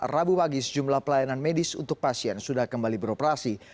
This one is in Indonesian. rabu pagi sejumlah pelayanan medis untuk pasien sudah kembali beroperasi